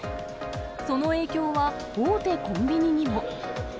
その影響は大手コンビニにも。